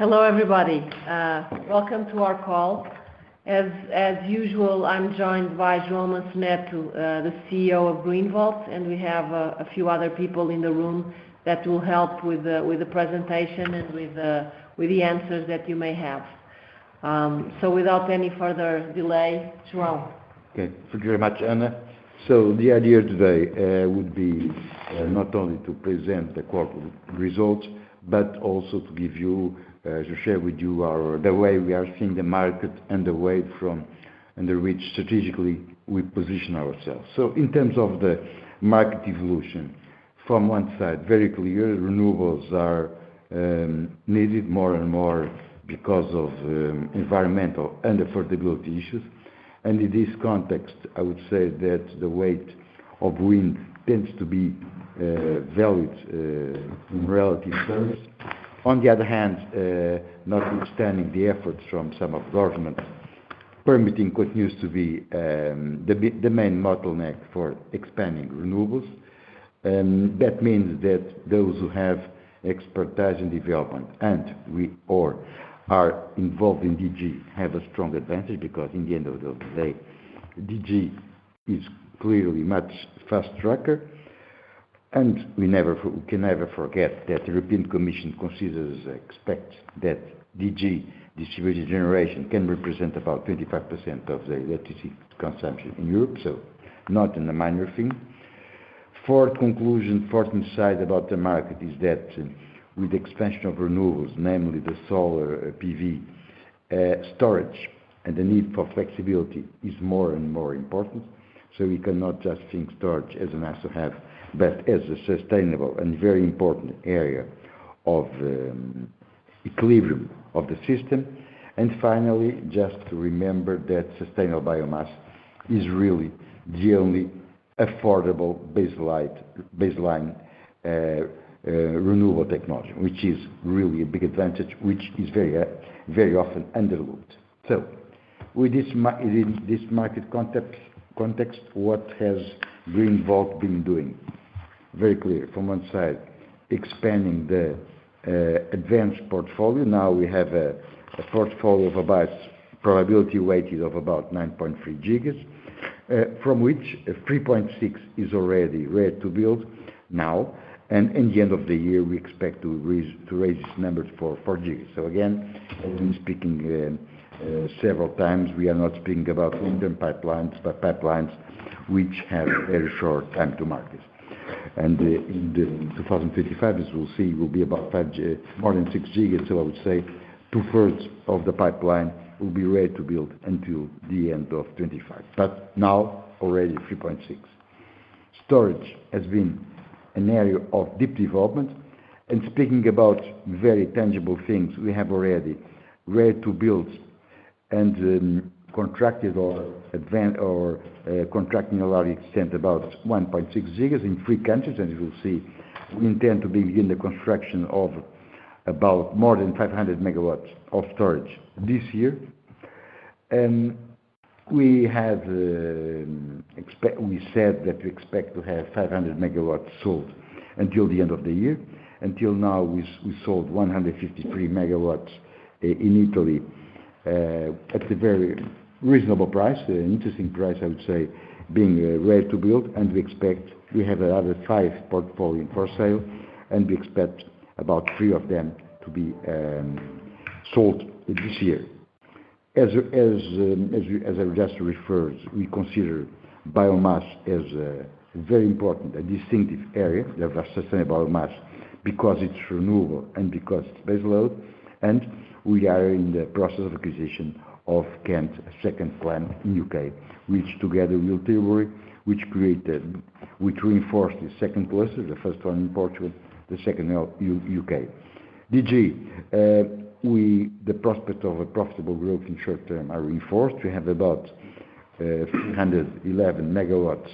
Hello, everybody. As usual, I'm joined by João Manso Neto, the CEO of Greenvolt, and we have a few other people in the room that will help with the presentation and with the answers that you may have. So without any further delay, João. Okay. Thank you very much, Ana. So the idea today would be not only to present the corporate results, but also to give you to share with you our the way we are seeing the market and the way under which strategically we position ourselves. So in terms of the market evolution, from one side, very clear, renewables are needed more and more because of environmental and affordability issues. And in this context, I would say that the weight of wind tends to be valued in relative terms. On the other hand, notwithstanding the efforts from some of the governments, permitting continues to be the main bottleneck for expanding renewables. That means that those who have expertise in development, and we all are involved in DG, have a strong advantage, because in the end of the day, DG is clearly a much faster track. And we can never forget that the European Commission considers, expects that DG, Distributed Generation, can represent about 25% of the electricity consumption in Europe, so not a minor thing. Fourth conclusion, fourth insight about the market is that, with expansion of renewables, namely solar PV, storage, and the need for flexibility is more and more important. So we cannot just think storage as a nice to have, but as a sustainable and very important area of equilibrium of the system. And finally, just to remember that sustainable biomass is really the only affordable baseline renewable technology, which is really a big advantage, which is very often overlooked. So with this in this market context, what has Greenvolt been doing? Very clear. From one side, expanding the advanced portfolio. Now we have a portfolio of about probability weighted of about 9.3 GW, from which 3.6 GW is already Ready to Build now, and in the end of the year, we expect to raise this number for 4 GW. So again, as we've speaking several times, we are not speaking about wind farm pipelines, but pipelines which have a very short time to market. And in the 2025, as we'll see, will be about 5 GW, more than 6 GW. So I would say two-thirds of the pipeline will be Ready to Build until the end of 2025, but now already 3.6 GW. Storage has been an area of deep development, and speaking about very tangible things, we have already Ready to Build and contracted or advanced or contracting a large extent, about 1.6 GW in three countries. And you will see, we intend to begin the construction of about more than 500 MW of storage this year. And we have, we said that we expect to have 500 MW sold until the end of the year. Until now, we sold 153 MW in Italy at a very reasonable price, an interesting price, I would say, being Ready to Build, and we expect we have another five portfolio for sale, and we expect about three of them to be sold this year. As I just referred, we consider biomass as a very important and distinctive area, the sustainable biomass, because it's renewable and because it's base-load, and we are in the process of acquisition of Kent, second plant in U.K., which together will deliver, which create the which reinforce the second place, the first one in Portugal, the second now U.K. DG, the prospects of a profitable growth in short-term are reinforced. We have about 311 MW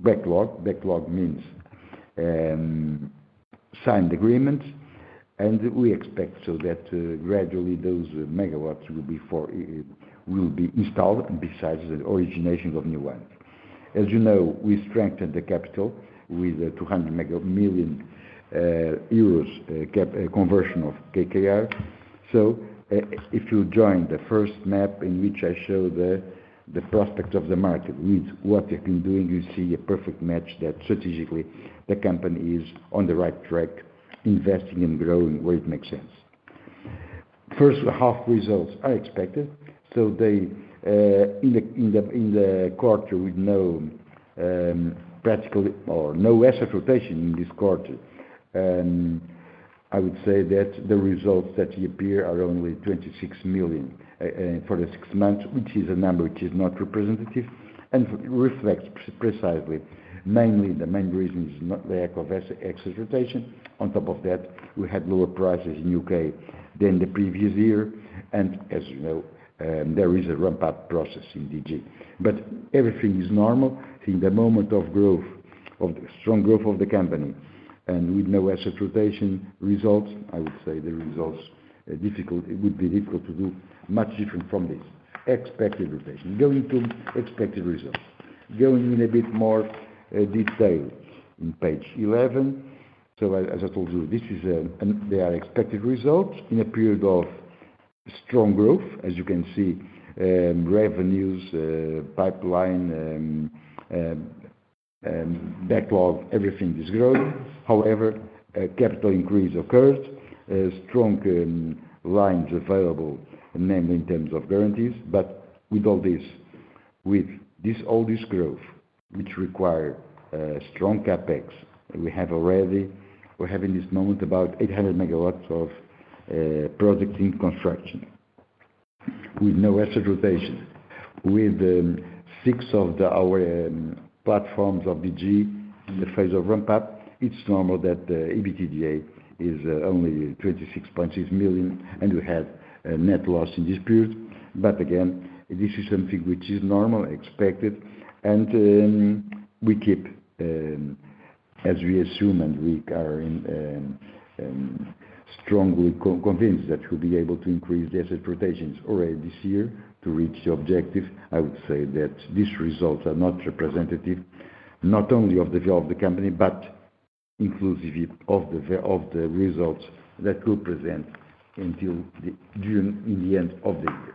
backlog. Backlog means signed agreement, and we expect so that gradually those MW will be installed, and besides the origination of new ones. As you know, we strengthened the capital with 200 million euros convertible of KKR. So, if you join the first map in which I show the prospects of the market with what we've been doing, you see a perfect match that strategically the company is on the right track, investing and growing where it makes sense. First half results are expected, so they in the quarter with practically no asset rotation in this quarter. And I would say that the results that appear are only 26 million for the six months, which is a number which is not representative and reflects precisely, mainly the main reasons, not the lack of asset rotation. On top of that, we had lower prices in U.K. than the previous year, and as you know, there is a ramp-up process in DG. But everything is normal. In the moment of growth, of the strong growth of the company and with no asset rotation results, I would say the results are difficult. It would be difficult to do much different from this. Expected rotation, going to expected results. Going in a bit more detail in page 11. So as I told you, this is, they are expected results in a period of strong growth. As you can see, revenues, pipeline, backlog, everything is growing. However, a capital increase occurred, a strong, lines available, mainly in terms of guarantees. But with all this, with this all this growth, which require, strong CapEx, we have already, we're having this moment about 800 MW of, project in construction with no asset rotation, with, six of our, platforms of DG in the phase of ramp-up. It's normal that the EBITDA is, only 26.6 million, and we had a net loss in this period. But again, this is something which is normal, expected, and, we keep, as we assume, and we are in, strongly convinced that we'll be able to increase the asset rotations already this year to reach the objective. I would say that these results are not representative, not only of the job of the company, but inclusively of the, of the results that will present until the June, in the end of the year.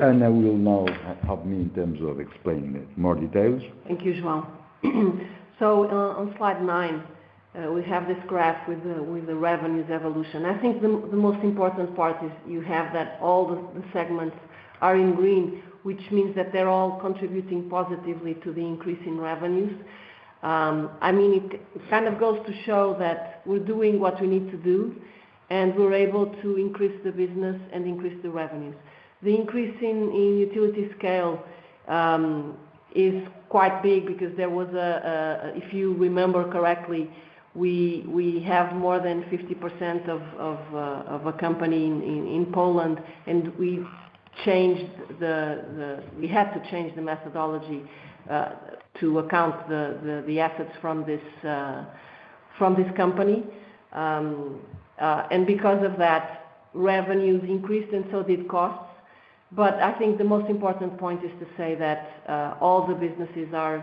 Ana will now help me in terms of explaining it more details. Thank you, João. So on slide nine, we have this graph with the revenues evolution. I think the most important part is you have that all the segments are in green, which means that they're all contributing positively to the increase in revenues. I mean, it kind of goes to show that we're doing what we need to do, and we're able to increase the business and increase the revenues. The increase in Utility-Scale is quite big because there was a... If you remember correctly, we have more than 50% of a company in Poland, and we had to change the methodology to account the assets from this company. And because of that, revenues increased, and so did costs. But I think the most important point is to say that all the businesses are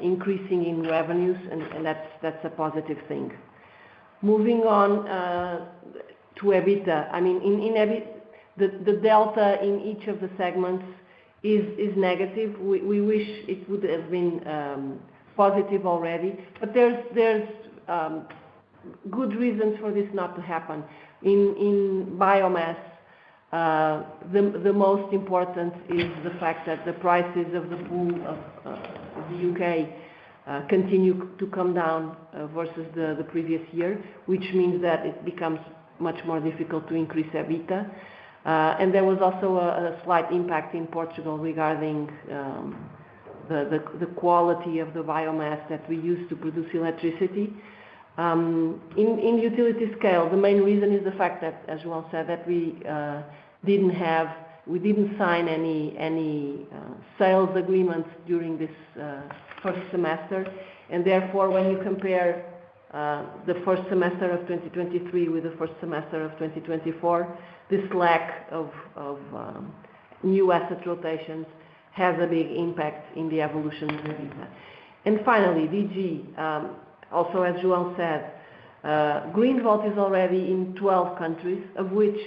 increasing in revenues, and that's a positive thing. Moving on to EBITDA. I mean, in EBITDA, the delta in each of the segments is negative. We wish it would have been positive already, but there's good reasons for this not to happen. In biomass, the most important is the fact that the prices of the pool of the U.K. continue to come down versus the previous year, which means that it becomes much more difficult to increase EBITDA. And there was also a slight impact in Portugal regarding the quality of the biomass that we use to produce electricity. In Utility-Scale, the main reason is the fact that, as João said, we didn't sign any sales agreements during this first semester. And therefore, when you compare the first semester of 2023 with the first semester of 2024, this lack of new asset rotations has a big impact in the evolution of EBITDA. And finally, DG, also as João said, Greenvolt is already in 12 countries, of which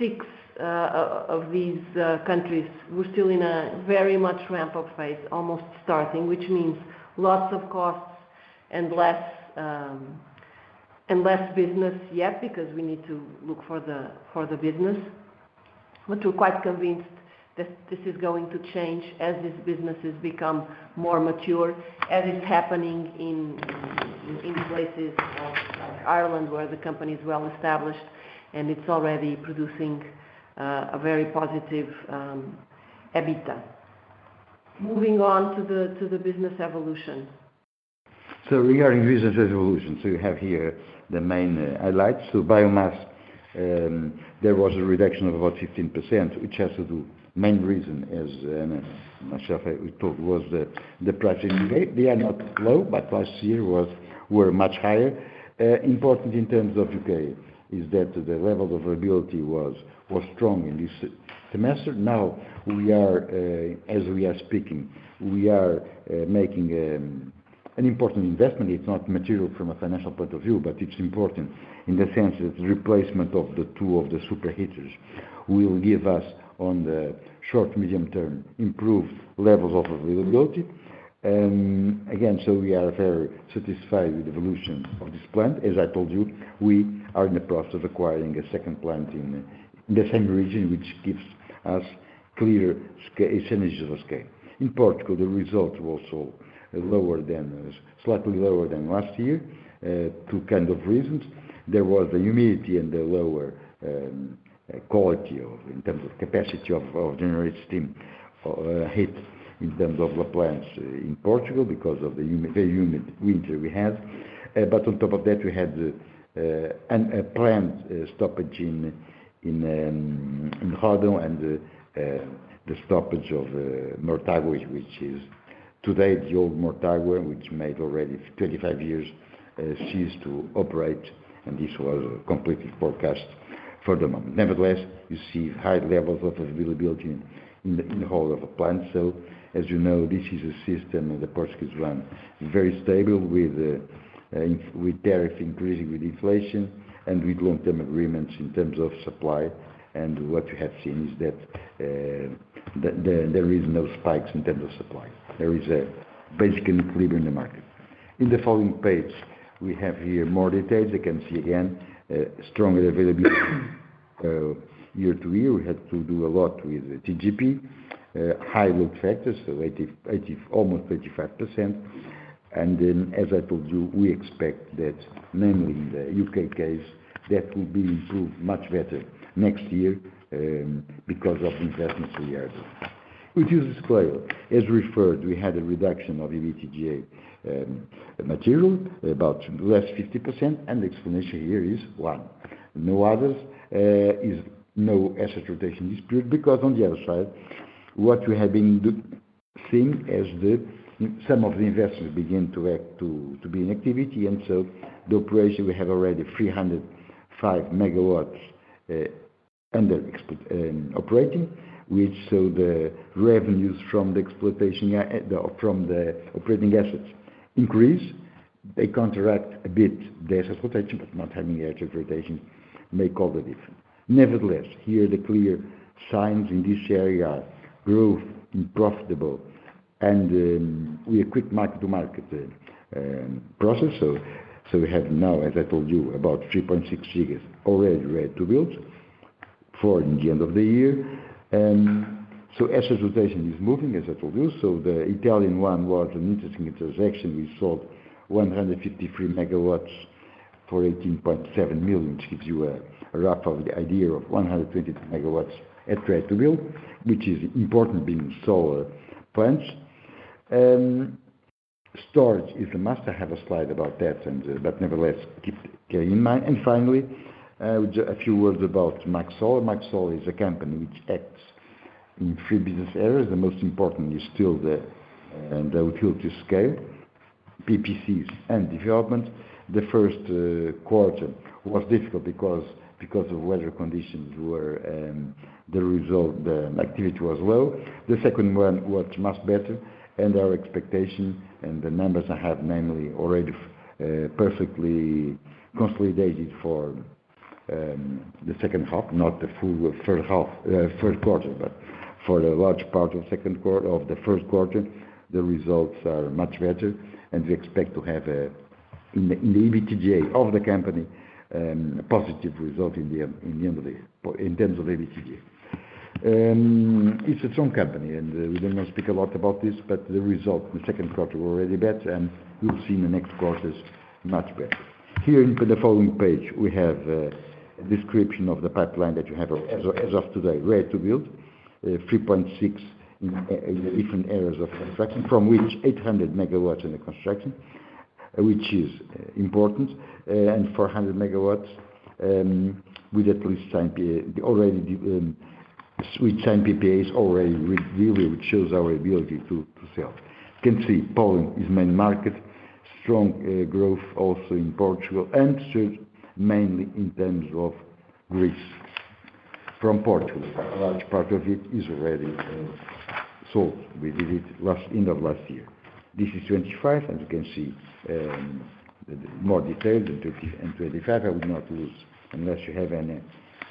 six of these countries, we're still in a very much ramp-up phase, almost starting, which means lots of costs and less business yet, because we need to look for the business. But we're quite convinced that this is going to change as these businesses become more mature, as is happening in places like Ireland, where the company is well established, and it's already producing a very positive EBITDA. Moving on to the business evolution. Regarding business evolution, you have here the main highlights. Biomass, there was a reduction of about 15%, which has to do main reason, as Ana, myself, we talked, was the price in the U.K. They are not low, but last year were much higher. Important in terms of U.K., is that the level of availability was strong in this semester. Now, as we are speaking, we are making an important investment. It's not material from a financial point of view, but it's important in the sense that the replacement of the two of the superheaters will give us, on the short, medium term, improved levels of availability. Again, we are very satisfied with the evolution of this plant. As I told you, we are in the process of acquiring a second plant in the same region, which gives us clear synergies of scale. In Portugal, the results were also slightly lower than last year, two kind of reasons. There was the humidity and the lower quality of, in terms of capacity of generate steam, heat, in terms of the plants in Portugal, because of the humid winter we had. But on top of that, we had a plant stoppage in Ródão and the stoppage of Mortágua, which is today the old Mortágua, which made already 35 years, ceased to operate, and this was completely forecast for the moment. Nevertheless, you see high levels of availability in the whole of the plant. So as you know, this is a system, and of course, it is run very stable with tariff increasing with inflation and with long-term agreements in terms of supply. And what you have seen is that there is no spikes in terms of supply. There is a basic equilibrium in the market. In the following page, we have here more details. You can see again strong availability. Year-to-year, we had to do a lot with TGP, high-load factors, so 80, 80, almost 85%. And then, as I told you, we expect that mainly in the UK case, that will be improved much better next year, because of the investments we are doing. With Utility-Scale, as referred, we had a reduction of EBITDA, material, about 50% less, and the explanation here is one, no others, is no asset rotation despite, because on the other side, what we have been seeing as the, some of the investments begin to act, to be in activity, and so the operation, we have already 305 MW under operating, which so the revenues from the operation, the, from the operating assets increase. They counteract a bit the asset rotation, but not having asset rotation make all the difference. Nevertheless, here, the clear signs in this area are growth in profitability, and we are quick mark-to-market process. So we have now, as I told you, about 3.6 GW already Ready to Build for the end of the year. Asset rotation is moving, as I told you. The Italian one was an interesting transaction. We sold 153 MW for 18.7 million, which gives you a rough idea of 123 MW at Ready to Build, which is important being solar plants. Storage is a must. I have a slide about that, and but nevertheless, keep in mind. Finally, just a few words about MaxSolar. MaxSolar is a company which acts in three business areas. The most important is still the Utility-Scale EPCs and development. The first quarter was difficult because of weather conditions. The result, the activity was low. The second one was much better, and our expectation and the numbers I have, mainly already perfectly consolidated for the second half, not the full first half, first quarter, but for the large part of second quarter of the first quarter, the results are much better, and we expect to have a, in the, in the EBITDA of the company, a positive result in the end, in the end of the year, in terms of EBITDA. It's its own company, and we're not going to speak a lot about this, but the result, the second quarter, already better, and we'll see in the next quarters, much better. Here in the following page, we have a description of the pipeline that you have as of today, Ready to Build, 3.6 GW in the different areas of construction, from which 800 MW in the construction, which is important, and 400 MW with at least signed PPA already. Already, we signed PPAs already with delivery, which shows our ability to sell. You can see Poland is main market, strong growth also in Portugal and Spain, mainly in terms of Greece. From Portugal, a large part of it is already sold. We did it last, end of last year. This is 2025, and you can see more detailed in 2024, in 2025. I would not lose, unless you have any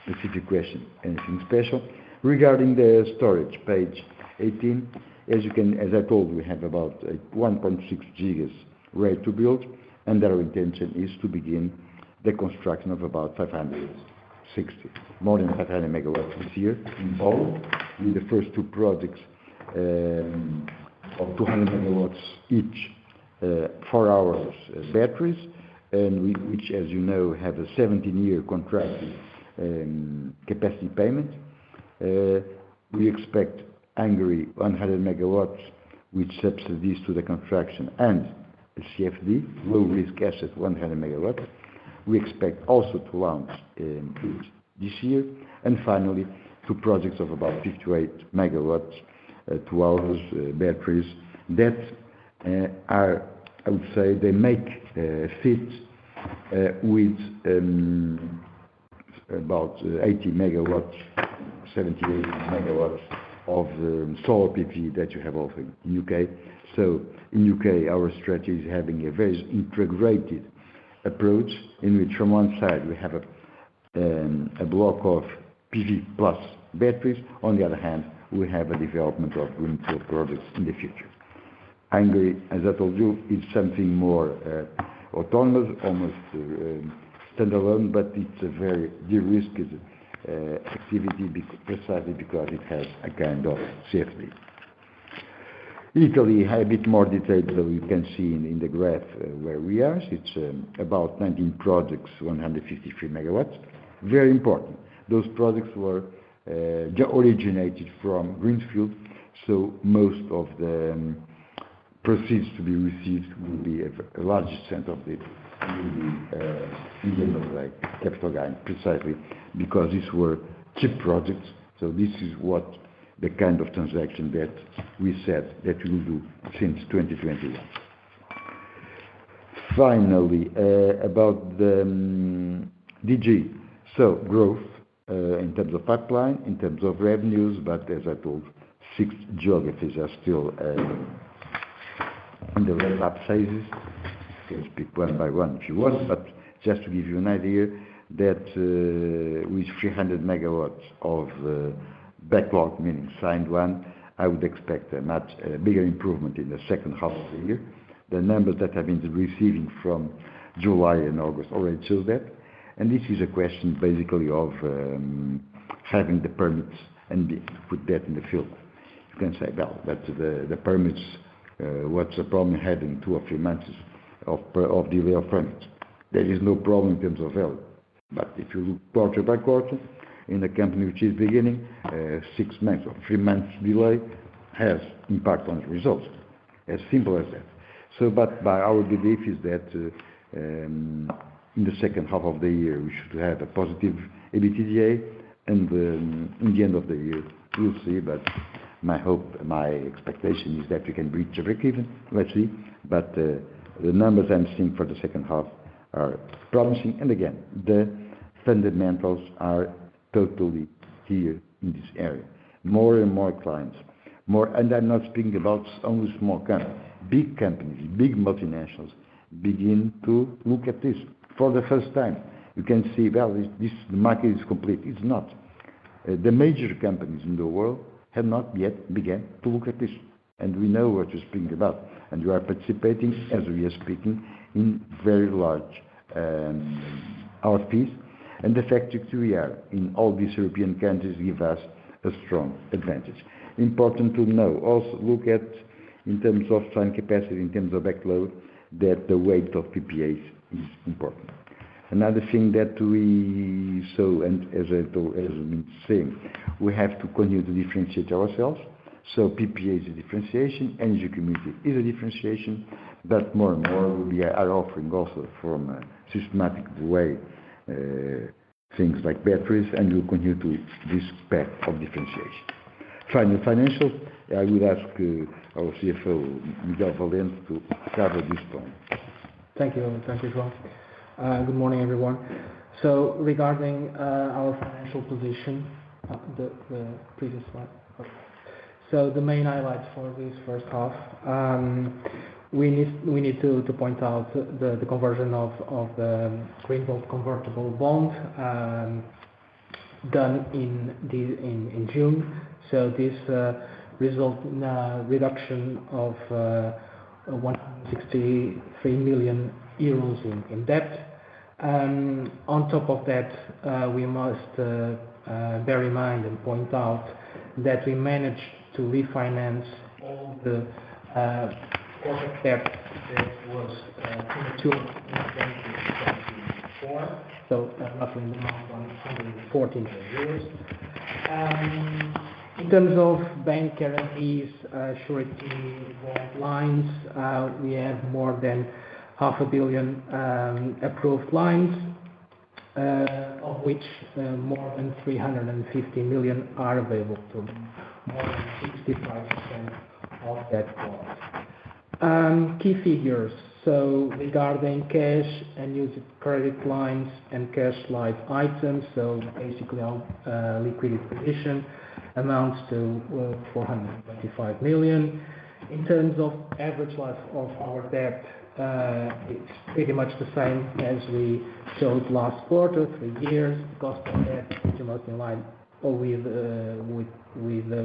specific question, anything special. Regarding the storage, page 18, as you can as I told, we have about 1.6 GW Ready to Build, and our intention is to begin the construction of about 560 MW, more than 500 MW this year in Poland, with the first two projects of 200 MW each, 4-hour batteries, and which, as you know, have a 17-year contract, capacity payment. We expect Hungary, 100 MW, which subsidies to the construction and a CfD, low risk assets, 100 MW. We expect also to launch this year, and finally, two projects of about 58 MW to our batteries that are, I would say, they make fit with about 80 MW, 70-80 MW of solar PV that you have also in UK. So in the U.K., our strategy is having a very integrated approach, in which from one side, we have a block of PV plus batteries. On the other hand, we have a development of greenfield projects in the future. Hungary, as I told you, is something more autonomous, almost standalone, but it's a very de-risked activity precisely because it has a kind of safety. Italy, I have a bit more details, so you can see in the graph where we are. It's about 19 projects, 153 MW. Very important, those projects were, they originated from greenfield, so most of the proceeds to be received will be a large % of it like capital gain, precisely because these were cheap projects. So this is what the kind of transaction that we said that we will do since 2020. Finally, about the DG. So growth, in terms of pipeline, in terms of revenues, but as I told you, six geographies are still, in the ramp-up phases. Can speak one by one if you want, but just to give you an idea that, with 300 MW of, backlog, meaning signed one, I would expect a much, a bigger improvement in the second half of the year. The numbers that I've been receiving from July and August already shows that, and this is a question basically of, having the permits and put that in the field. You can say, "Well, but the permits, what's the problem having two or three months of delay of permits? There is no problem in terms of value." But if you look quarter by quarter, in a company which is beginning, six months or three months delay has impact on the results, as simple as that. So but by our belief is that, in the second half of the year, we should have a positive EBITDA, and, in the end of the year, we'll see. But my hope, my expectation is that we can reach breakeven, we'll see. But, the numbers I'm seeing for the second half are promising. And again, the fundamentals are totally clear in this area. More and more clients, more... And I'm not speaking about only small companies, big companies, big multinationals begin to look at this for the first time. You can see, well, this, this market is complete. It's not. The major companies in the world have not yet began to look at this, and we know what you're speaking about, and you are participating, as we are speaking, in very large RFPs. And the fact that we are in all these European countries give us a strong advantage. Important to know, also look at in terms of signed capacity, in terms of backlog, that the weight of PPAs is important. Another thing that we saw, and as I told, as I'm saying, we have to continue to differentiate ourselves. So PPA is a differentiation, energy community is a differentiation, but more and more, we are offering also from a systematic way things like batteries, and we continue to this path of differentiation. Finally, financials. I will ask our CFO, Miguel Valente, to cover this point. Thank you. Thank you, João. Good morning, everyone. Regarding our financial position, the previous slide. The main highlights for this first half, we need to point out the conversion of the green bond convertible bond, done in June. This result in a reduction of 163 million euros in debt. On top of that, we must bear in mind and point out that we managed to refinance all the debt that was due to mature in 2024. Roughly EUR 114 million. In terms of bank guarantees, short-term loan lines, we have more than 500 million approved lines, of which more than 350 million are available to more than 65% of that cost. Key figures. So regarding cash and using credit lines and cash-like items, so basically our liquidity position amounts to 425 million. In terms of average life of our debt, it's pretty much the same as we showed last quarter, three years. The cost of debt is mostly in line with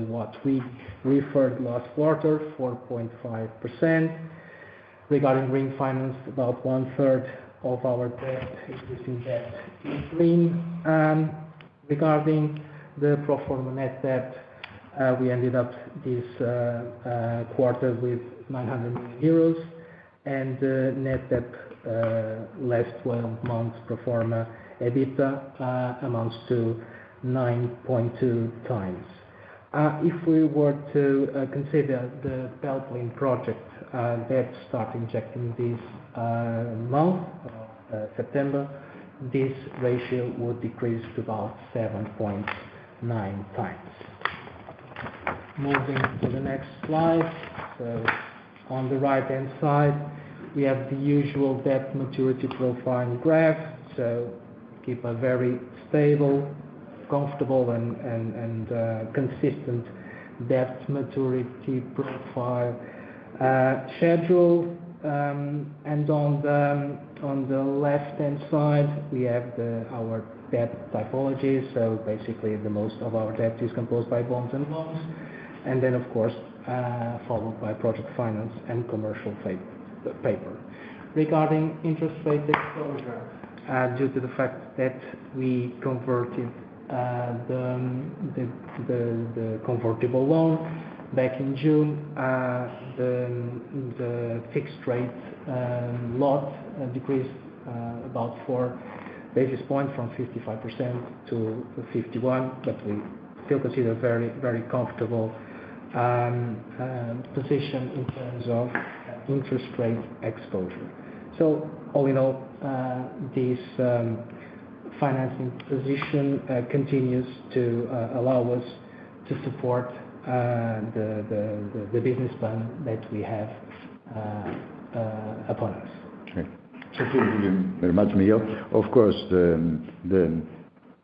what we referred last quarter, 4.5%. Regarding green finance, about 1/3 of our debt, increasing debt is green. Regarding the pro forma net debt, we ended up this quarter with 900 million euros, and the net debt last twelve months pro forma EBITDA amounts to 9.2x. If we were to consider the Pelplin project debt start injecting this month September, this ratio would decrease to about 7.9x. Moving to the next slide. On the right-hand side, we have the usual debt maturity profile graph. We keep a very stable, comfortable, and consistent debt maturity profile schedule. And on the left-hand side, we have our debt typology. Basically, the most of our debt is composed by bonds and loans, and then, of course, followed by project finance and commercial paper. Regarding interest rate exposure, due to the fact that we converted the convertible loan back in June, the fixed rate lot decreased about four basis points from 55% to 51%, but we still consider very, very comfortable position in terms of interest rate exposure. So all in all, this financing position continues to allow us to support the business plan that we have upon us. Sure. Thank you very much, Miguel. Of course,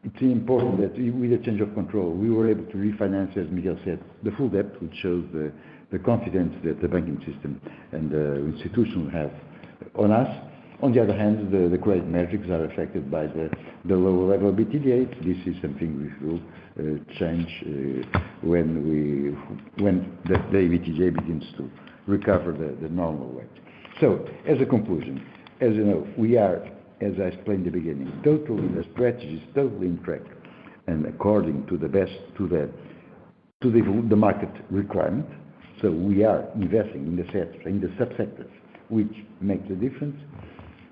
it's important that with a change of control, we were able to refinance, as Miguel said, the full debt, which shows the confidence that the banking system and the institutions have in us. On the other hand, the credit metrics are affected by the lower level of EBITDA. This is something we will change when the EBITDA begins to recover the normal way. So as a conclusion, as you know, as I explained in the beginning, the strategy is totally on track and according to the best market requirement. So we are investing in the sector, in the subsectors, which makes a difference.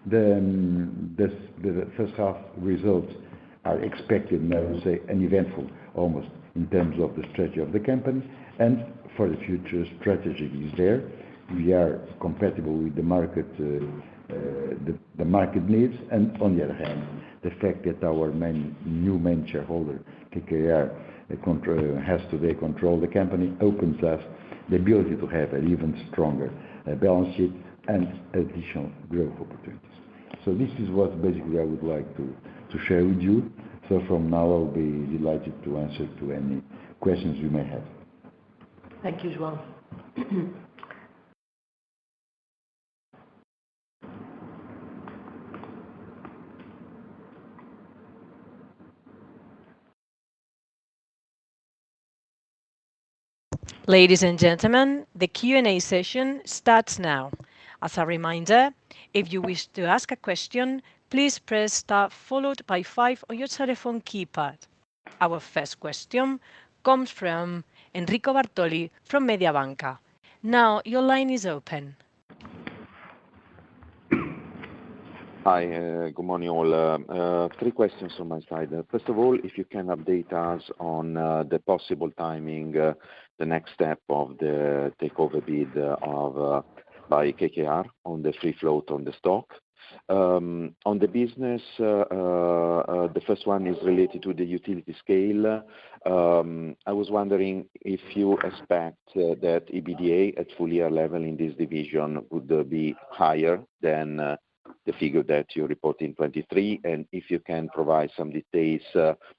Then, the first half results are expected, and I would say, uneventful, almost, in terms of the strategy of the company, and for the future strategy is there. We are compatible with the market, the market needs, and on the other hand, the fact that our main, new main shareholder, KKR, the control, has today control the company, opens us the ability to have an even stronger, balance sheet and additional growth opportunities. So this is what basically I would like to share with you. So from now, I'll be delighted to answer to any questions you may have. Thank you, João. Ladies and gentlemen, the Q&A session starts now. As a reminder, if you wish to ask a question, please press star followed by five on your telephone keypad. Our first question comes from Enrico Bartoli from Mediobanca. Now, your line is open. Hi, good morning, all. Three questions on my side. First of all, if you can update us on the possible timing, the next step of the takeover bid by KKR on the free float on the stock. On the business, the first one is related to the Utility-Scale. I was wondering if you expect that EBITDA at full year level in this division, would be higher than the figure that you report in 2023? And if you can provide some details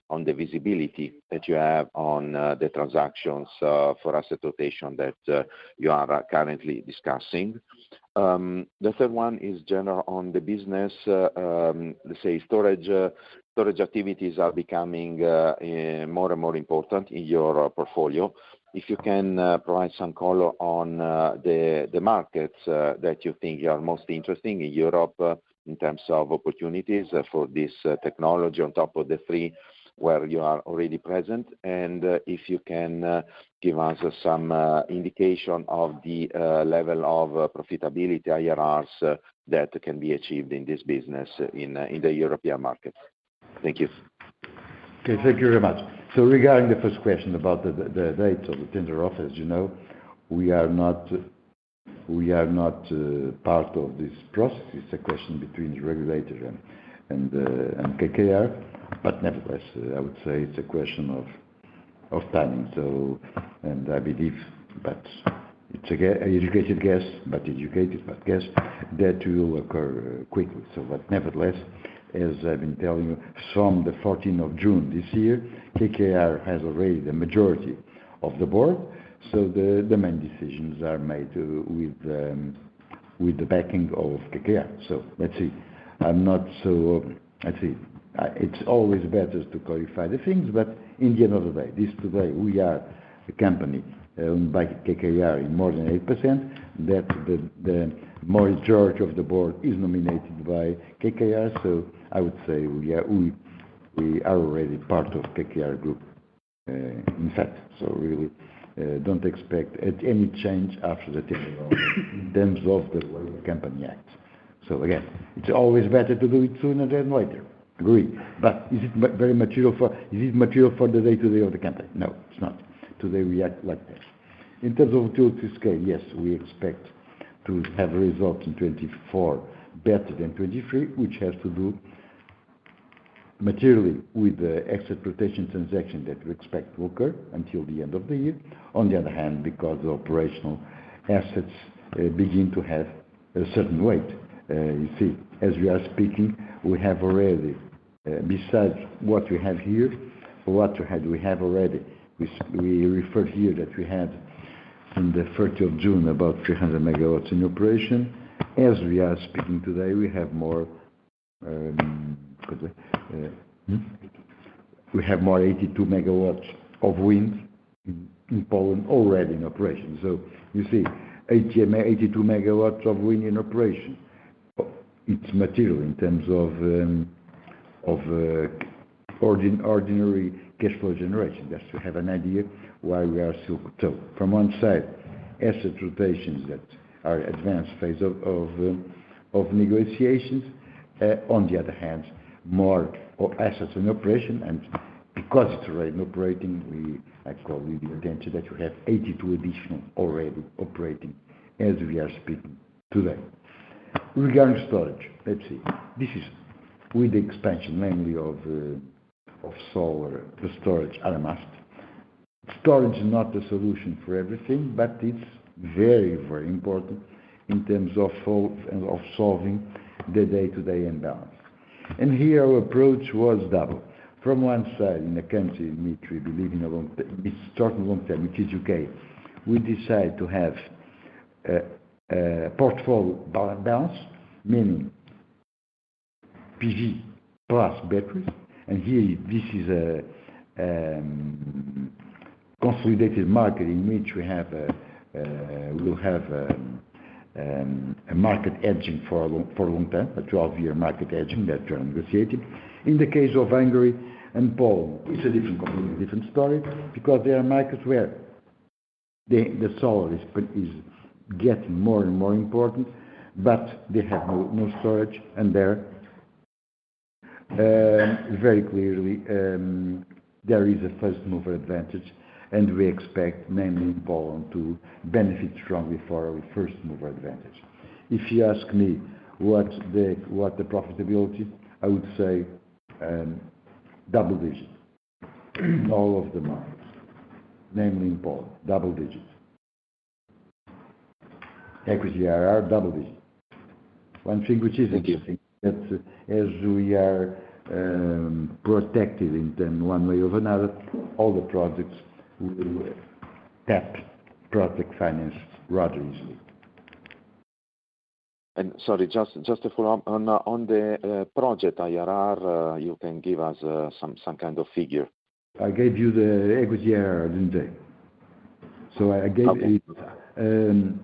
on the visibility that you have on the transactions for asset rotation that you are currently discussing. The third one is general on the business, let's say storage, storage activities are becoming more and more important in your portfolio. If you can provide some color on the markets that you think are most interesting in Europe, in terms of opportunities for this technology on top of the three where you are already present, and if you can give us some indication of the level of profitability, IRRs, that can be achieved in this business in the European market? Thank you. Okay, thank you very much. So regarding the first question about the date of the tender offer, as you know, we are not part of this process. It's a question between the regulator and KKR, but nevertheless, I would say it's a question of timing. So, and I believe, but it's an educated guess, that will occur quickly. So but nevertheless, as I've been telling you, from the fourteenth of June this year, KKR has already the majority of the board, so the main decisions are made with the backing of KKR. So let's see. I'm not so, let's see. It's always better to clarify the things, but at the end of the day, today we are a company owned by KKR in more than 80%, that the majority of the board is nominated by KKR. So I would say we are, we are already part of KKR group, in fact. So we don't expect any change after the tender in terms of the way the company acts. So again, it's always better to do it sooner than later. Agree. But is it very material for... Is it material for the day to day of the company? No, it's not. Today, we act like this. In terms of Utility-Scale, yes, we expect to have results in 2024 better than 2023, which has to do materially with the asset rotation transaction that we expect to occur until the end of the year. On the other hand, because the operational assets begin to have a certain weight. You see, as we are speaking, we have already, besides what we have here, what we had, we have already, we referred here that we had on the June 30, about 300 MW in operation. As we are speaking today, we have more. Eight. We have more 82 MW of wind in Poland already in operation. So you see, 82, 82 MW of wind in operation. It's material in terms of ordinary cash flow generation. Just to have an idea why we are so tough. From one side, asset rotations that are advanced phase of negotiations. On the other hand, more of assets in operation, and because it's already operating, we, I call it the advantage, that we have 82 MW additional already operating as we are speaking today. Regarding storage, let's see. This is with the expansion mainly of solar, the storage at the mast. Storage is not the solution for everything, but it's very, very important in terms of solving the day-to-day imbalance. And here, our approach was double. From one side, in the country, Dimitri, believing along the... It's talking long-term, which is okay. We decide to have a portfolio balance, meaning PV plus batteries, and here, this is a consolidated market in which we have, we'll have a merchant hedging for a long, for a long time, a 12-year market hedging that we are negotiating. In the case of Hungary and Poland, it's a different, completely different story because there are markets where the solar is getting more and more important, but they have no storage, and they're very clearly, there is a first mover advantage, and we expect, mainly in Poland, to benefit strongly from our first mover advantage. If you ask me what the profitability, I would say double-digit. In all of the markets, namely in Poland, double-digits. Equity IRR, double-digit. One thing which is interesting, that as we are, protected in them one way or another, all the projects will tap project finance rather easily. Sorry, just to follow-up on the project IRR, you can give us some kind of figure? I gave you the equity IRR, didn't I? So I gave it- Okay.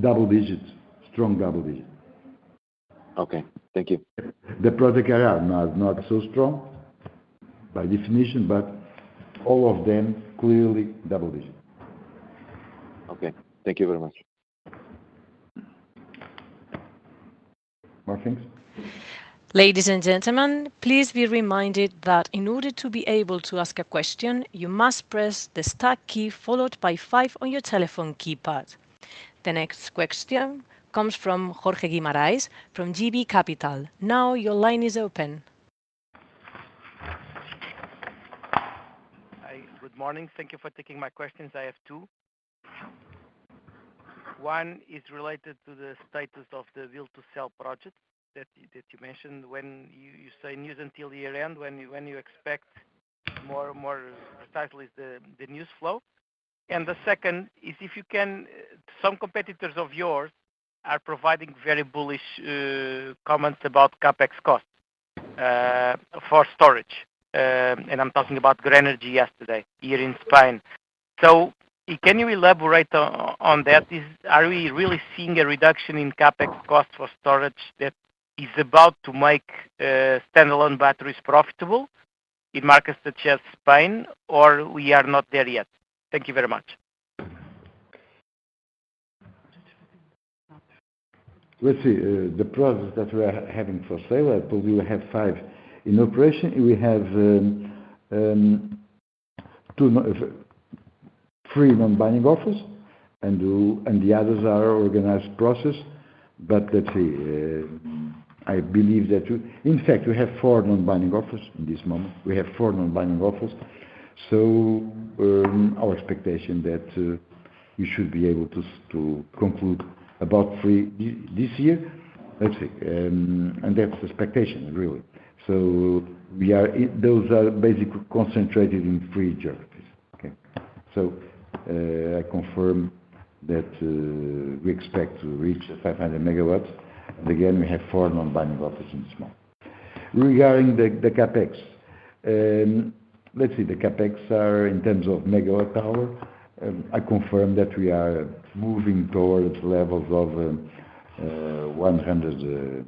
Double-digits. Strong double-digits. Okay, thank you. The Project IRR, not so strong by definition, but all of them clearly double-digits. Okay, thank you very much. More things? Ladies and gentlemen, please be reminded that in order to be able to ask a question, you must press the star key followed by five on your telephone keypad. The next question comes from Jorge Guimarães from JB Capital. Now your line is open. Hi, good morning. Thank you for taking my questions. I have two. One is related to the status of the build to sell project that you mentioned. When you say news until the year-end, when you expect more and more precisely the news flow? And the second is, if you can. Some competitors of yours are providing very bullish comments about CapEx costs for storage. And I'm talking about Grenergy yesterday, here in Spain. So can you elaborate on that? Are we really seeing a reduction in CapEx costs for storage that is about to make standalone batteries profitable in markets such as Spain, or we are not there yet? Thank you very much. Let's see. The projects that we are having for sale, I believe we have five in operation, and we have three non-binding offers, and the others are organized process. But let's see, I believe that you, in fact, we have four non-binding offers in this moment. We have four non-binding offers. So our expectation that we should be able to to conclude about three this year. Let's see, and that's the expectation, really. So those are basically concentrated in three geographies. Okay, so I confirm that we expect to reach 500 MW, and again, we have four non-binding offers in this moment. Regarding the CapEx, let's see, the CapEx are in terms of megawatt hour. I confirm that we are moving towards levels of EUR 100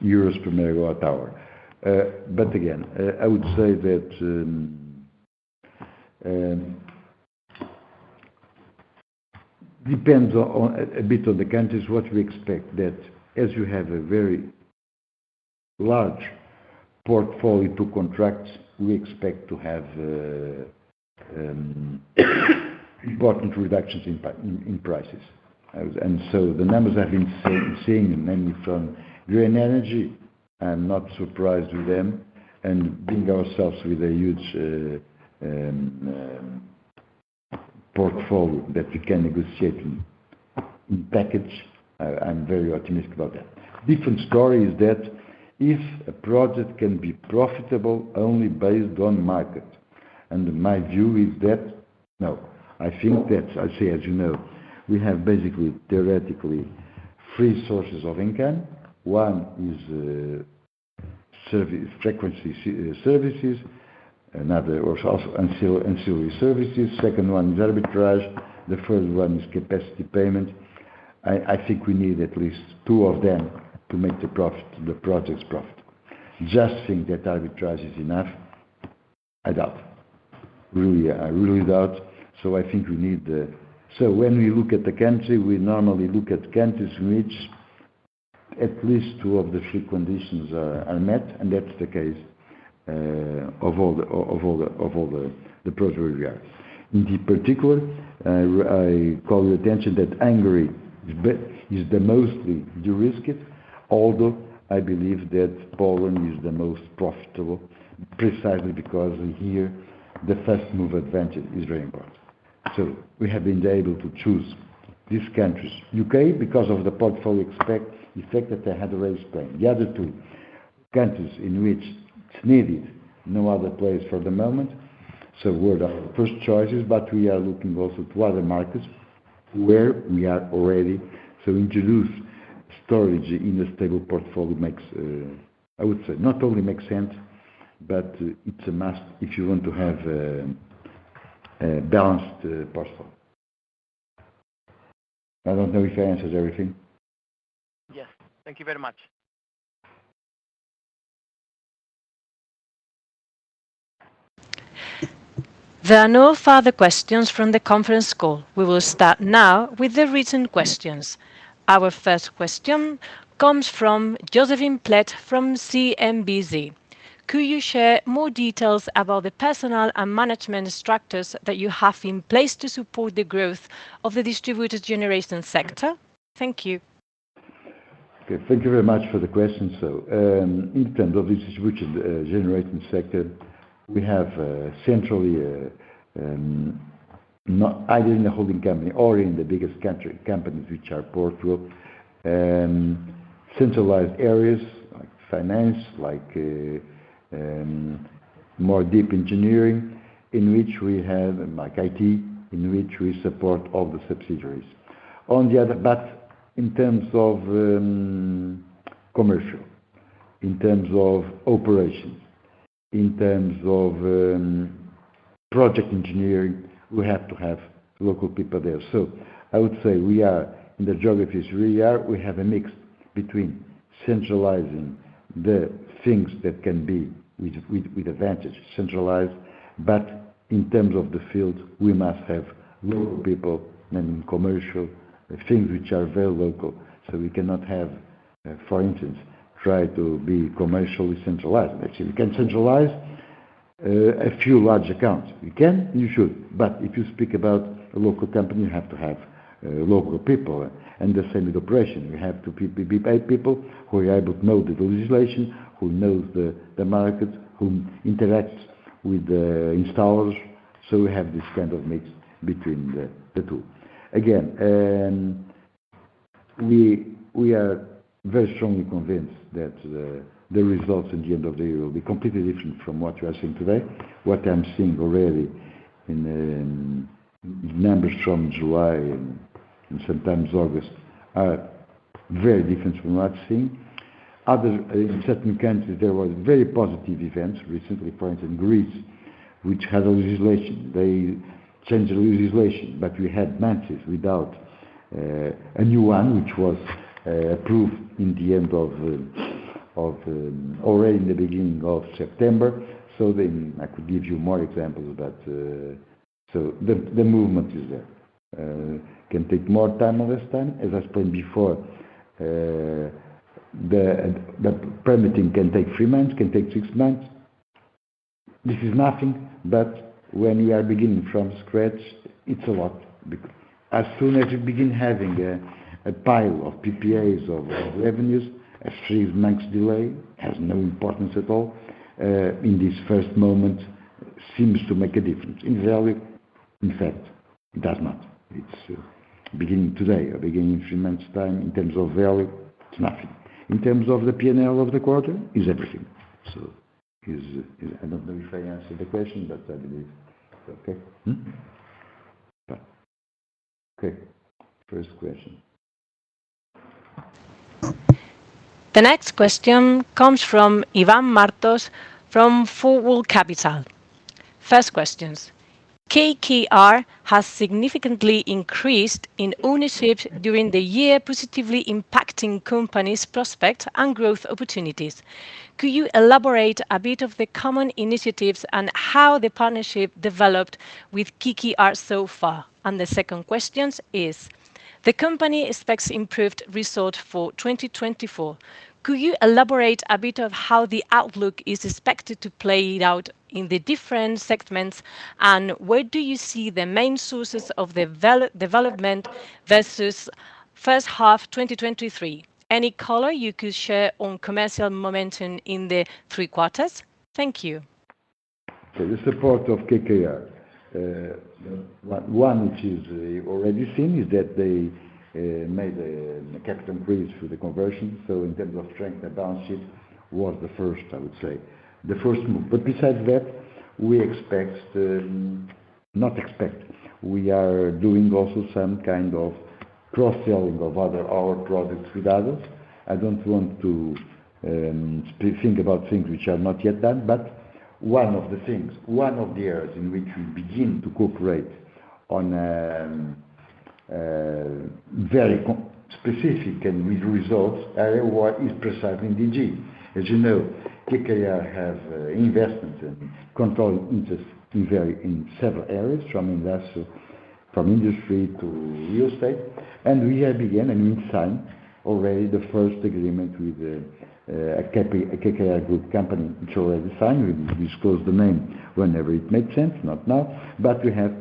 per MWh. But again, I would say that depends on a bit on the countries, what we expect, that as you have a very large portfolio to contract, we expect to have important reductions in prices. And so the numbers I've been seeing, mainly from Grenergy, I'm not surprised with them, and being ourselves with a huge portfolio that we can negotiate in package, I'm very optimistic about that. Different story is that if a project can be profitable only based on market, and my view is that, no. I think that, I say, as you know, we have basically, theoretically, three sources of income. One is service, frequency services. Another was also ancillary, ancillary services. Second one is arbitrage, the first one is capacity payment. I think we need at least two of them to make the profit, the projects profit. Just think that arbitrage is enough, I doubt. Really, I really doubt. So I think we need them. So when we look at the country, we normally look at countries in which at least two of the three conditions are met, and that's the case of all the projects where we are. In particular, I call your attention that Hungary is the most de-risked, although I believe that Poland is the most profitable, precisely because in here, the first move advantage is very important. So we have been able to choose these countries. U.K., because of the portfolio effect that I had already explained. The other two countries in which it's needed, no other place for the moment. So were our first choices, but we are looking also to other markets where we are already. So introduce storage in a stable portfolio makes, I would say, not only makes sense, but it's a must if you want to have a, a balanced portfolio. I don't know if that answers everything. Yes. Thank you very much. There are no further questions from the conference call. We will start now with the written questions. Our first question comes from Josephine Platt, from CNBC. Could you share more details about the personnel and management structures that you have in place to support the growth of the Distributed Generation sector? Thank you. Okay, thank you very much for the question. So, in terms of the Distributed Generation sector, we have, centrally, not either in the holding company or in the biggest country companies which are portfolio, centralized areas like finance, like, more deep engineering, in which we have, like, IT, in which we support all the subsidiaries. On the other- but in terms of, commercial, in terms of operations, in terms of, project engineering, we have to have local people there. So I would say we are, in the geographies we are, we have a mix between centralizing the things that can be with advantage, centralized, but in terms of the field, we must have local people and commercial, things which are very local. So we cannot have, for instance, try to be commercially centralized. Actually, we can centralize a few large accounts. You can, you should, but if you speak about a local company, you have to have local people. And the same with operation. You have to pay people who are able to know the legislation, who knows the market, who interacts with the installers. So we have this kind of mix between the two. Again, we are very strongly convinced that the results at the end of the year will be completely different from what you are seeing today. What I'm seeing already in numbers from July and sometimes August are very different from what I've seen. Other, in certain countries, there was very positive events. Recently, for instance, Greece, which had a legislation. They changed the legislation, but we had months without a new one, which was approved in the end of. Already in the beginning of September. So then I could give you more examples, but so the movement is there. Can take more time or less time. As I explained before, the permitting can take three months, can take six months. This is nothing, but when you are beginning from scratch, it's a lot. As soon as you begin having a pile of PPAs, of revenues, a three months delay has no importance at all. In this first moment, seems to make a difference. In value, in fact, it does not. It's beginning today or beginning in three months time, in terms of value, it's nothing. In terms of the P&L of the quarter, is everything. I don't know if I answered the question, but I believe it's okay. Okay, first question. The next question comes from Ivan Martos, from Forward Capital. First question: KKR has significantly increased its ownership during the year, positively impacting the company's prospects and growth opportunities. Could you elaborate a bit on the common initiatives and how the partnership developed with KKR so far? And the second question is: The company expects improved result for 2024. Could you elaborate a bit on how the outlook is expected to play out in the different segments, and where do you see the main sources of the value development versus first half 2023? Any color you could share on commercial momentum in the three quarters? Thank you. So the support of KKR, one, which is already seen, is that they made a capital increase through the conversion. So in terms of strength, the balance sheet was the first, I would say, the first move. But besides that, we expect, not expect, we are doing also some kind of cross-selling of other our products with others. I don't want to think about things which are not yet done, but one of the things, one of the areas in which we begin to cooperate on, very specific and with results, are what is precisely DG. As you know, KKR have investments and controlling interest in very, in several areas, from investor, from industry to real estate. And we have began, and we've signed already the first agreement with a KKR, a KKR group company, which already signed. We will disclose the name whenever it makes sense, not now. But we have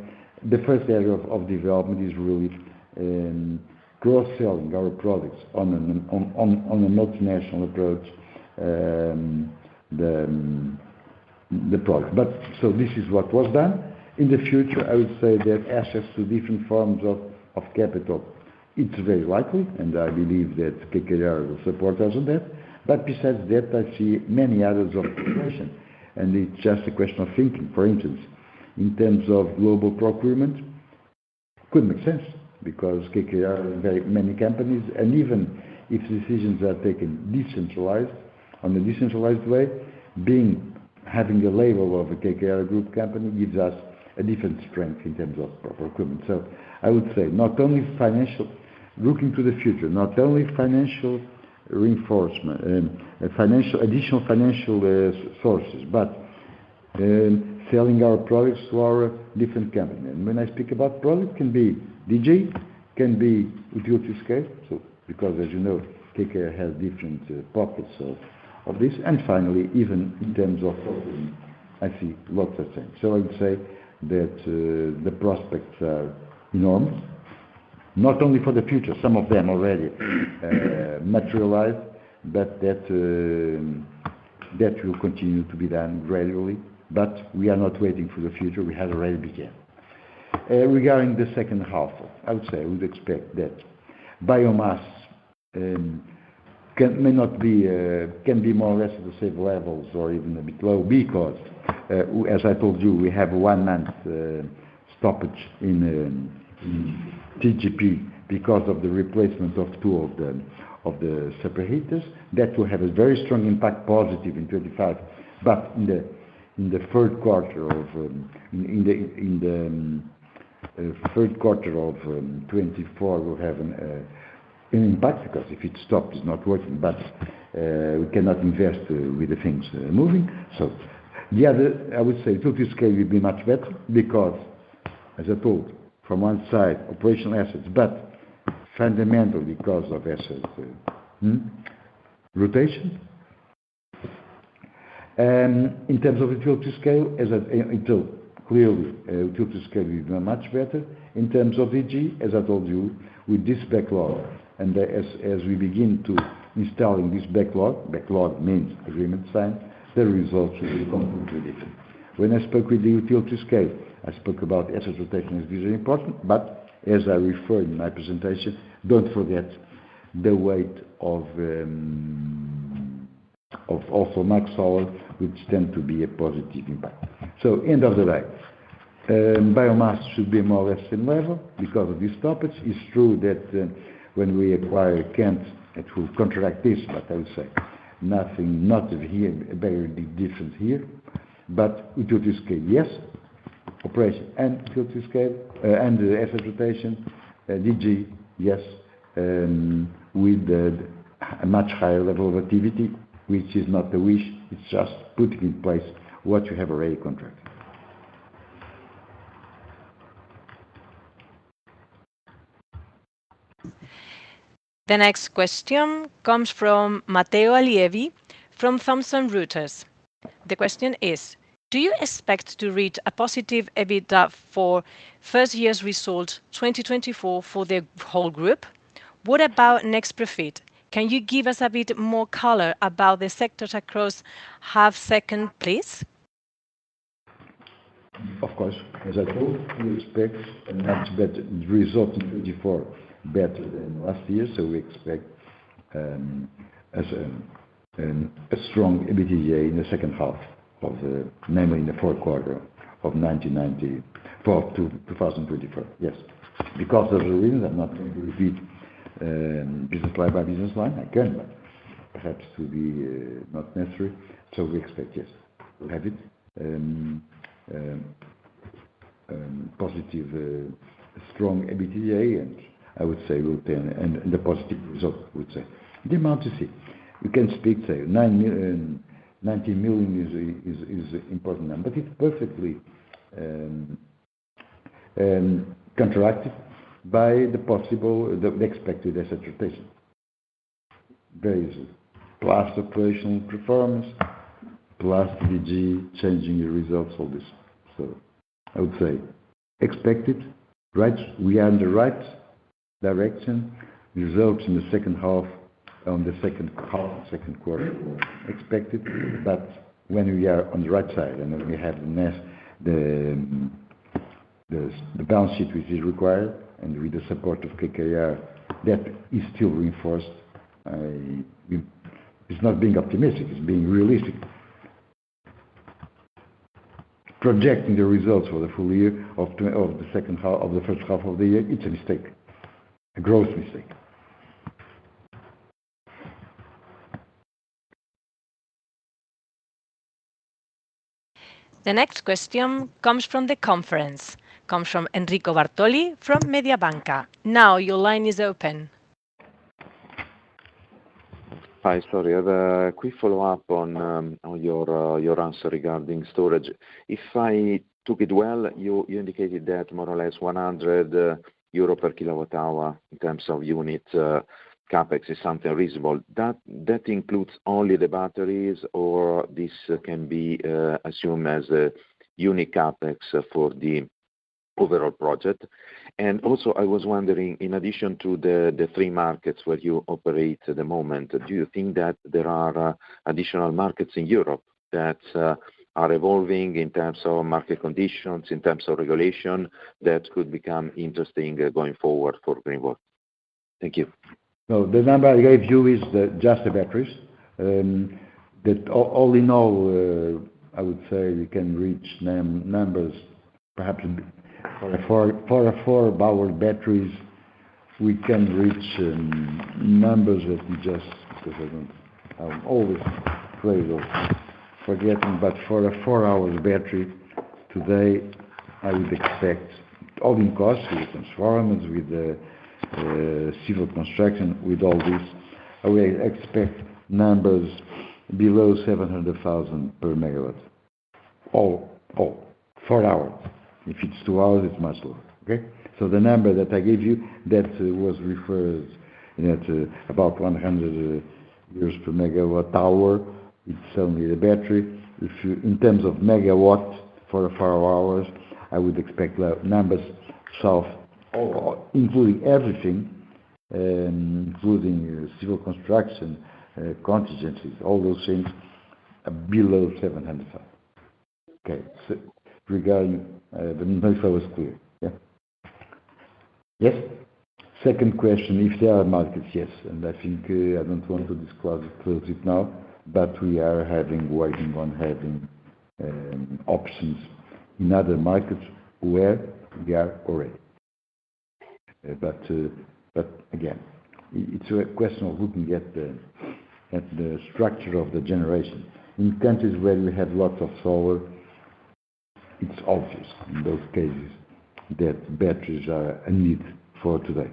the first area of development is really cross-selling our products on a multinational approach, the product. But so this is what was done. In the future, I would say that access to different forms of capital, it's very likely, and I believe that KKR will support us on that. But besides that, I see many others opportunities, and it's just a question of thinking. For instance, in terms of global procurement, could make sense because KKR are very many companies, and even if decisions are taken decentralized, on a decentralized way, being, having a label of a KKR Group company gives us a different strength in terms of proper equipment. So I would say not only financial reinforcement. Looking to the future, not only financial reinforcement, additional financial sources, but selling our products to our different company. And when I speak about product, it can be DG, it can be Utility-Scale. So because as you know, KKR has different pockets of this. And finally, even in terms of, I see lots of things. So I'd say that the prospects are enormous, not only for the future, some of them already materialized, but that will continue to be done gradually. But we are not waiting for the future, we have already began. Regarding the second half, I would say, I would expect that biomass can be more or less the same levels or even a bit low, because, as I told you, we have one month stoppage in TGP because of the replacement of two of the separators. That will have a very strong impact, positive in 2025. But in the third quarter of 2024, we have an impact, because if it stops, it's not working, but we cannot invest with the things moving. So the other, I would say, Utility-Scale will be much better because, as I told, from one side, operational assets, but fundamentally, because of assets rotation. In terms of Utility-Scale, as I... Clearly, Utility-Scale will do much better. In terms of DG, as I told you, with this backlog, and as we begin to installing this backlog, backlog means agreement signed, the results will be completely different. When I spoke with the Utility-Scale, I spoke about asset rotation is very important, but as I referred in my presentation, don't forget the weight of, of also MaxSolar, which tend to be a positive impact. So end of the day, biomass should be more or less same level because of this stoppage. It's true that, when we acquire Kent, it will contract this, but I will say nothing, not here, very different here. But Utility-Scale, yes, operation and Utility-Scale, and the asset rotation. DG, yes, with a much higher level of activity, which is not a wish. It's just putting in place what you have already contracted. The next question comes from Matteo Allievi from Thomson Reuters. The question is: Do you expect to reach a positive EBITDA for first year's result, 2024 for the whole group? What about net profit? Can you give us a bit more color about the sectors across the second half, please? Of course. As I told you, we expect a much better result in 2024, better than last year. So we expect a strong EBITDA in the second half of the year. Namely in the fourth quarter of 2024. Yes. Because of the reasons, I'm not going to repeat business line by business line. I can, but perhaps it will be not necessary. So we expect, yes, we'll have it. Positive strong EBITDA, and I would say will be and a positive result, I would say. The amount you see, we can speak, say 90 million is an important number, but it's perfectly contracted by the possible, the expected asset rotation. There is plus operational performance, plus DG changing the results of this. So I would say expected, right? We are in the right direction. Results in the second half, on the second half, second quarter were expected, but when we are on the right side and when we have the next, the balance sheet, which is required, and with the support of KKR, that is still reinforced. It's not being optimistic, it's being realistic. Projecting the results for the full year of tw- of the second half, of the first half of the year, it's a mistake, a gross mistake. The next question comes from the conference. Comes from Enrico Bartoli from Mediobanca. Now your line is open. Hi, sorry. I have a quick follow-up on your answer regarding storage. If I took it well, you indicated that more or less 100 euro per kWh in terms of unit CapEx is something reasonable. That includes only the batteries or this can be assumed as a unit CapEx for the overall project? And also, I was wondering, in addition to the three markets where you operate at the moment, do you think that there are additional markets in Europe that are evolving in terms of market conditions, in terms of regulation, that could become interesting going forward for Greenvolt? Thank you. So the number I gave you is just the batteries. That all in all, I would say we can reach numbers perhaps for a four-hour batteries, we can reach numbers that we just... Because I'm always afraid of forgetting, but for a four-hour battery, today, I would expect all-in costs, with transformers, with the civil construction, with all this, I will expect numbers below 700,000 per MW. All four hours. If it's two hours, it's much lower, okay? So the number that I gave you, that was referred at about 100 per MWh. It's only the battery. If you... In terms of megawatt for four hours, I would expect the numbers of, including everything, including civil construction, contingencies, all those things, below 700,000. Okay, so regarding, let me know if I was clear. Yeah. Yes. Second question, if there are markets, yes, and I think, I don't want to disclose it now, but we are working on having options in other markets where we are already. But again, it's a question of looking at the structure of the generation. In countries where we have lots of solar, it's obvious in those cases that batteries are a need for today.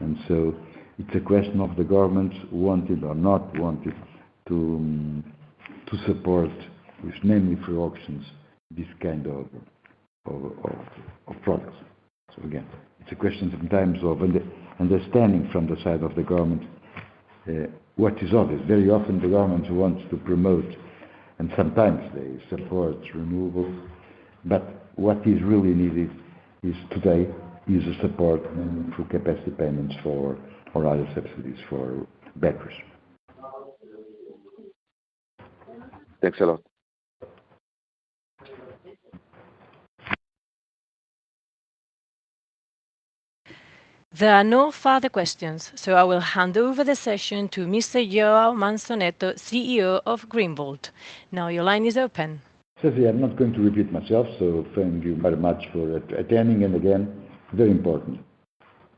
And so it's a question of the government want it or not want it to support, which mainly through auctions, this kind of products. So again, it's a question sometimes of understanding from the side of the government what is obvious. Very often, the government wants to promote, and sometimes they support renewables, but what is really needed today is a support through capacity payments for, or other subsidies for batteries. Thanks a lot. There are no further questions, so I will hand over the session to Mr. João Manso Neto, CEO of Greenvolt. Now, your line is open. Ceci, I'm not going to repeat myself, so thank you very much for attending, and again, very important,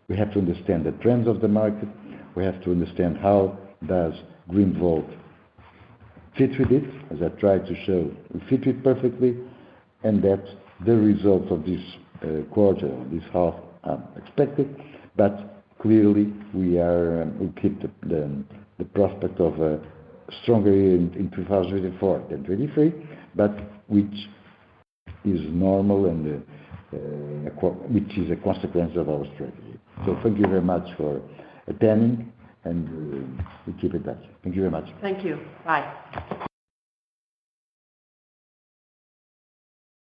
we have to understand the trends of the market. We have to understand how does Greenvolt fit with it. As I tried to show, we fit it perfectly, and that the results of this quarter, this half, are expected, but clearly, we are. We keep the prospect of a stronger year in 2024 and 2023, but which is normal and which is a consequence of our strategy, so thank you very much for attending, and we'll keep in touch. Thank you very much. Thank you. Bye.